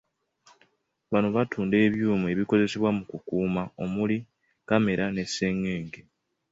Bano batunda byuma ebikozesebwa mu kukuuma, omuli; kkamera, ne ssengenge.